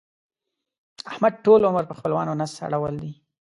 احمد ټول عمر پر خپلوانو نس اړول دی.